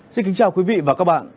xin kính chào quý vị và các bạn